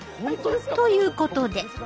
ということで。